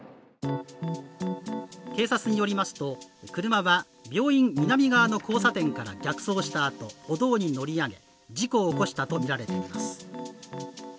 警察によりますと、車は病院南側の交差点から逆走したあと歩道に乗り上げ、事故を起こしたとみられています。